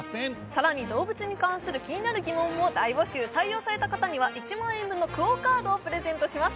さらに動物に関する気になる疑問も大募集採用された方には１万円分のＱＵＯカードをプレゼントします